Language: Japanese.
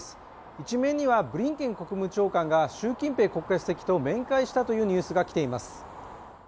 １面にはブリンケン国務長官が習近平国家主席と面会したというニュースが来ています。